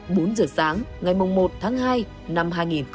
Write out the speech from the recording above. bốn giờ sáng ngày một tháng hai năm hai nghìn hai mươi